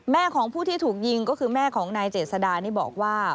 ของผู้ที่ถูกยิงก็คือแม่ของนายเจษดานี่บอกว่า